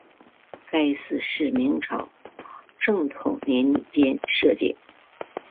该寺是明朝正统年间敕建。